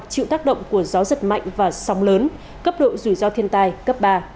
chịu tác động của gió giật mạnh và sóng lớn cấp độ rủi ro thiên tai cấp ba